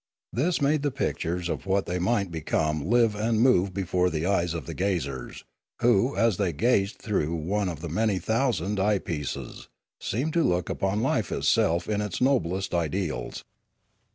This made the pictures of what they might become live and move before the eyes of the gazers, who as they gazed through one of the many thousand eye pieces seemed to look upon life itself in its noblest ideals.